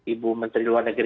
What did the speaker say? ibu menteri luar negara